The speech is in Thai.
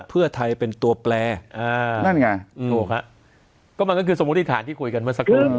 เผื่อไทยเป็นตัวแปลอ่าแน่นอนไงเอาค่ะก็มันก็คือสมมุติฐานที่คุยกันมาสักครู่